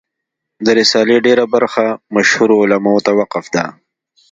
د رسالې ډېره برخه مشهورو علماوو ته وقف ده.